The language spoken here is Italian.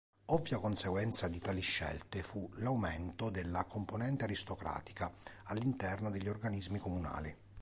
Ovvia conseguenza di tali scelte fu l'aumento della componente aristocratica all'interno degli organismi comunali.